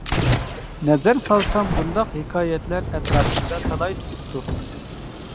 نەزەر سالسام بۇنداق ھېكايەتلەر ئەتراپىمدا تالاي تۇرۇپتۇ.